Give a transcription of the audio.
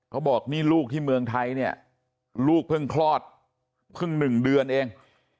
บอกนี่ลูกที่เมืองไทยเนี่ยลูกเพิ่งคลอดเพิ่ง๑เดือนเอง